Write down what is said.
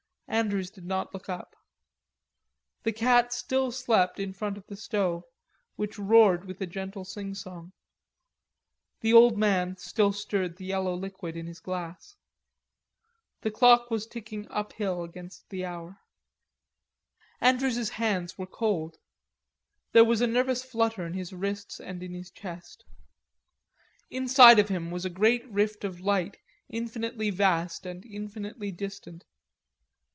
Andrews did not look up. The cat still slept in front of the stove which roared with a gentle singsong. The old brown man still stirred the yellow liquid in his glass. The clock was ticking uphill towards the hour. Andrews's hands were cold. There was a nervous flutter in his wrists and in his chest. Inside of him was a great rift of light, infinitely vast and infinitely distant.